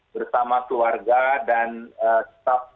bersama keluarga dan keluarga